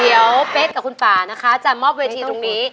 เดี๋ยวเป๊กกับคุณป่านะคะจะมอบเวทีตรงนี้